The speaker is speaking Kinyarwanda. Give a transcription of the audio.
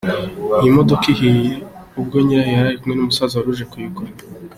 Iyi modoka ihiye ubwo nyirayo yari ari kumwe n’umusaza wari uje kuyigura.